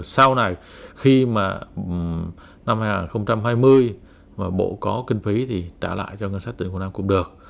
sau này khi mà năm hai nghìn hai mươi mà bộ có kinh phí thì trả lại cho ngân sách tỉnh quảng nam cũng được